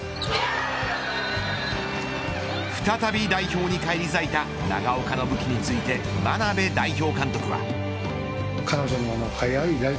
再び代表に返り咲いた長岡の武器について眞鍋代表監督は。